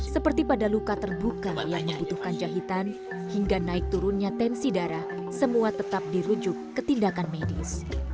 seperti pada luka terbuka yang membutuhkan jahitan hingga naik turunnya tensi darah semua tetap dirujuk ke tindakan medis